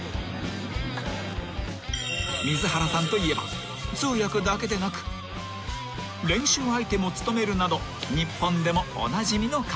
［水原さんといえば通訳だけでなく練習相手も務めるなど日本でもおなじみの顔］